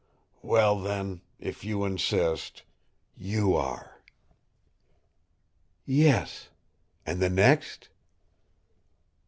"Well, then, if you insist YOU are." "Yes. And the next?"